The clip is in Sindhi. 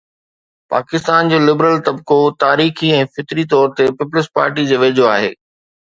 پاڪستان جو لبرل طبقو تاريخي ۽ فطري طور پيپلز پارٽيءَ جي ويجهو آهي.